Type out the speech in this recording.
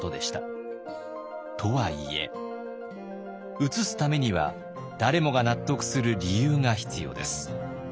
とはいえ移すためには誰もが納得する理由が必要です。